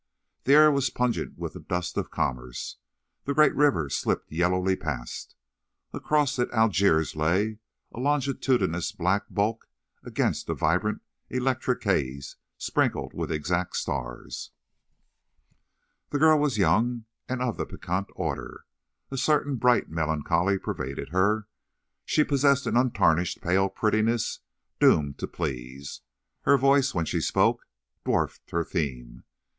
The air was pungent with the dust of commerce. The great river slipped yellowly past. Across it Algiers lay, a longitudinous black bulk against a vibrant electric haze sprinkled with exact stars. The girl was young and of the piquant order. A certain bright melancholy pervaded her; she possessed an untarnished, pale prettiness doomed to please. Her voice, when she spoke, dwarfed her theme.